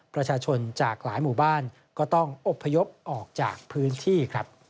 ประชาชนจากหลายหมู่บ้านก็ต้องอบพยพออกจากพื้นที่ครับ